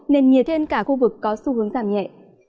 nền nhiệt trên cả khu vực có xu hướng giảm nhẹ